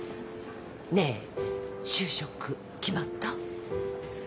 ねえ就職決まった？